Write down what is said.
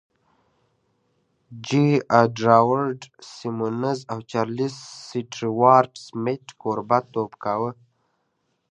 جې اډوارډ سيمونز او چارليس سټيوارټ سميت کوربهتوب کاوه.